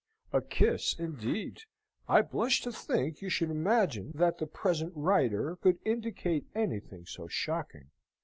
A kiss, indeed! I blush to think you should imagine that the present writer could indicate anything so shocking!)